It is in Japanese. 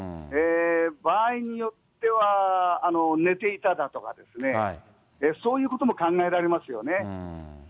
場合によっては、寝ていただとかですね、そういうことも考えられますよね。